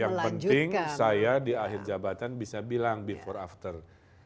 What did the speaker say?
yang penting saya di akhir jabatan bisa bilang before after